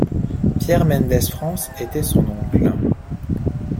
Pierre Mendès-France était son oncle.